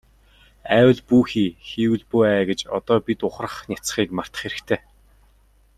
АЙвал бүү хий, хийвэл бүү ай гэж одоо бид ухрах няцахыг мартах хэрэгтэй.